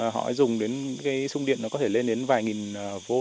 họ dùng đến cái sung điện nó có thể lên đến vài nghìn v